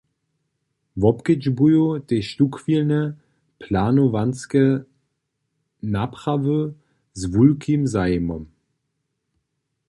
Wobkedźbuju tež tuchwilne planowanske naprawy z wulkim zajimom.